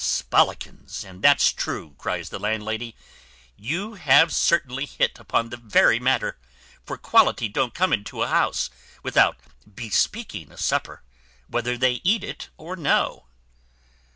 "Sbodlikins, and that's true," cries the landlady, "you have certainly hit upon the very matter; for quality don't come into a house without bespeaking a supper, whether they eat or no."